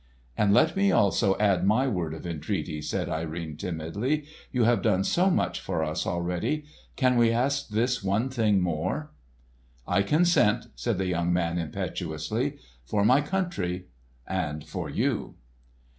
"And let me also add my word of entreaty," said Irene timidly. "You have done so much for us already. Can we ask this one thing more?" "I consent!" said the young man impetuously. "For my country—and for you!"